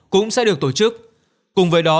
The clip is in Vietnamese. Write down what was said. cũng sẽ được tổ chức cùng với đó